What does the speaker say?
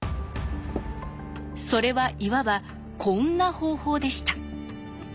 それはいわばこんな方法でした。